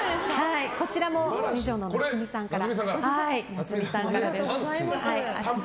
こちらも次女の名津美さんから。